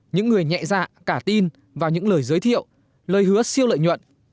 những người nhẹ dạ cả tin vào những lời giới thiệu lời hứa siêu lợi nhuận